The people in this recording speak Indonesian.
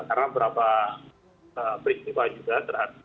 karena berapa peristiwa juga terhadap